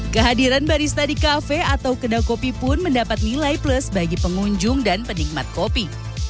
kehadiran barista di kafe atau kedai kopi pun mendapat nilai plus bagi pengunjung dan penikmat kopi